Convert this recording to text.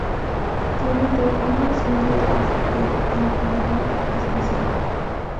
Tiene tres ramas, una de las que el Tribunal Especial.